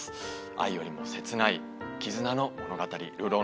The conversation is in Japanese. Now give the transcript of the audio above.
愛よりも切ない絆の物語『流浪の月』。